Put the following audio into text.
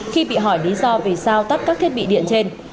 khi bị hỏi lý do vì sao tắt các thiết bị điện trên